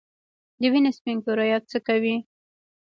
د وینې سپین کرویات څه کوي؟